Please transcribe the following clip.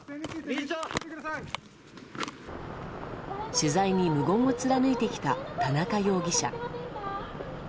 取材に無言を貫いてきた田中容疑者。